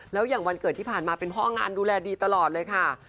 แล้วอย่างวันเกิดที่ผ่านมาเป็นพ่องานดูแลดีตลอดเลยค่ะ